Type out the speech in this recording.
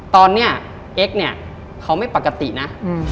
ตอนนี้เอ็กซ์เนี่ยเขาไม่ปกตินะ